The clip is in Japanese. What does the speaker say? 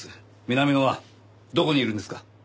南野はどこにいるんですか？